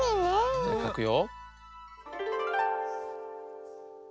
じゃあかくよ。